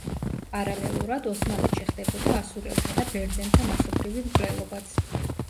პარალელურად, ოსმალეთში ხდებოდა ასურელთა და ბერძენთა მასობრივი მკვლელობაც.